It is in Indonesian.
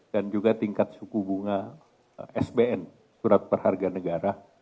dan juga tingkat suku bunga sbn surat perharga negara